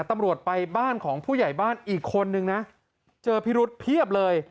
ตำรวจไปบ้านของผู้ใหญ่บ้านอีกคนนึงนะเจอพิรุษเพียบเลย